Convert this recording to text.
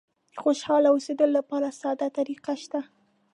د خوشاله اوسېدلو لپاره ساده طریقه شته.